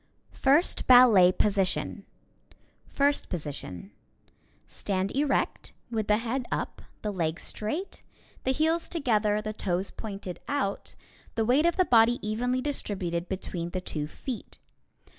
First Position: Stand erect, with the head up, the legs straight, the heels together, the toes pointed out, the weight of the body evenly distributed between the two feet.